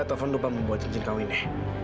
taufan lupa membuat cincin kawinnya